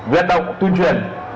viết động tuyên truyền